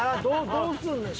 どうすんねん？